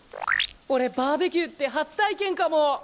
俺バーベキューって初体験かも。